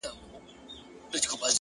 هره ورځ د نوې پیل دروازه ده.!